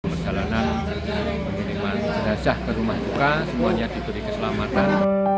perjalanan menuju ke rumah buka semuanya diberi keselamatan